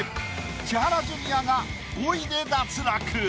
千原ジュニアが５位で脱落。